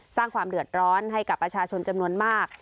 สร้างความเดือดร้อนให้กับประชาชนจำนวนมาก